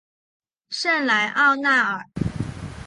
圣莱奥纳尔。